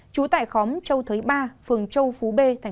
trú tại khóm châu thới ba phường châu phú b tp châu đốc tỉnh an giang